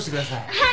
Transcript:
はい！